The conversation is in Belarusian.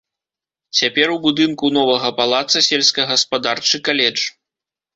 Цяпер у будынку новага палаца сельскагаспадарчы каледж.